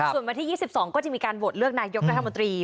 ส่วนวันที่๒๒ก็จะมีการโหวตเลือกนายกรัฐมนตรี